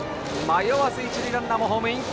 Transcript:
迷わず一塁ランナーもホームイン。